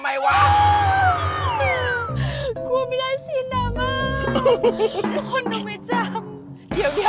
ไหนวะคุณพระช่วย